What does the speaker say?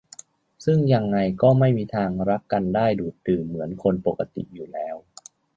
ซึ่งยังไงก็ไม่มีทางรักกันได้ดูดดื่มเหมือนคนปกติอยู่แล้ว